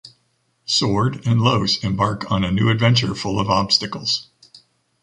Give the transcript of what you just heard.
Sword and los embark on a new adventure full of obstacles.